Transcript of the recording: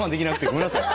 ごめんなさい。